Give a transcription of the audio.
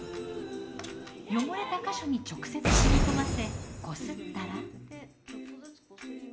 汚れた箇所に直接染み込ませこすったら。